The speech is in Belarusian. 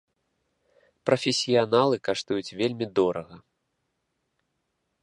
Прафесіяналы каштуюць вельмі дорага.